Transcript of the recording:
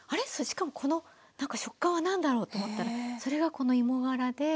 しかもこのなんか食感は何だろう？」と思ったらそれがこの芋がらで。